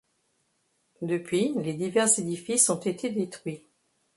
Depuis les divers édifices ont été détruits.